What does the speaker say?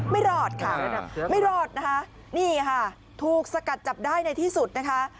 ไม่รอดค่ะไม่รอดนะคะนี่ค่ะถูกสกัดจับได้ในที่สุดนะคะ